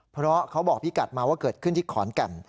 เพราะเขาบอกพี่กัดมาว่าเกิดขึ้นที่ขอนแก่น